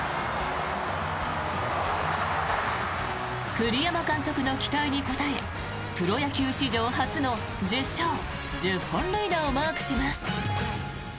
栗山監督の期待に応えプロ野球史上初の１０勝１０本塁打をマークします。